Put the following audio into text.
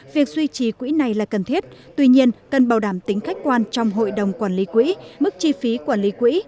việc duy trì quỹ này là cần thiết tuy nhiên cần bảo đảm tính khách quan trong hội đồng quản lý quỹ mức chi phí quản lý quỹ